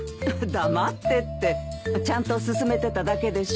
「黙って」って。ちゃんと進めてただけでしょ。